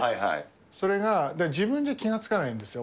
それが自分じゃ気が付かないんですよ。